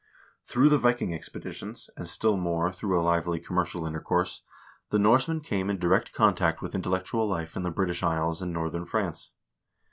Through the Viking expeditions, and still more through a lively commercial intercourse, the Norsemen came in direct contact with intellectual life in the British Isles and northern France.